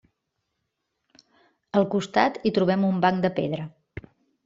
Al costat hi trobem un banc de pedra.